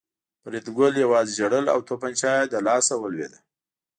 فریدګل یوازې ژړل او توپانچه یې له لاسه ولوېده